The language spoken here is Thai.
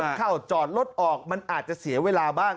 มันเข้าจอดรถออกมันอาจจะเสียเวลาบ้าง